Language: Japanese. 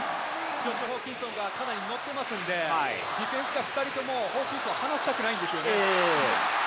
ホーキンソンがかなり乗ってますんで、ディフェンスが２人とも、ホーキンソン離したくないんですよね。